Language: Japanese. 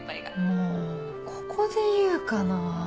もうここで言うかな。